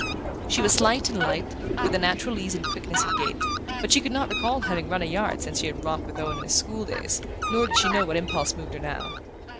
She was slight and light, with a natural ease and quickness of gait, but she could not recall having run a yard since she had romped with Owen in his school days; nor did she know what impulse moved her now.